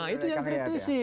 itu yang kritisi